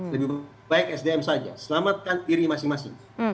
lebih baik sdm saja selamatkan diri masing masing